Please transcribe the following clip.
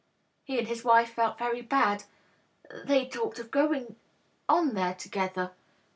He and his wife felt very bad. They talked of going on there together.